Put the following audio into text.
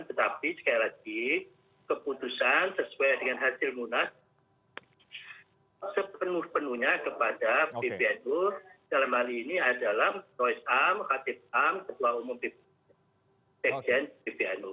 tetapi sekali lagi keputusan sesuai dengan hasil munas sepenuh penuhnya kepada pbnu dalam hal ini adalah noy sam khatib sam ketua umum pbnu